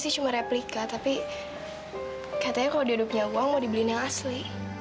tapi katanya kalau dia ada punya uang mau dibeliin yang asli